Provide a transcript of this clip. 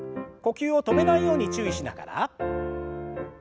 呼吸を止めないように注意しながら。